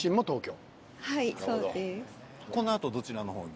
このあとどちらの方に？